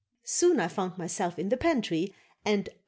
Soon I found myself in the pantry and O!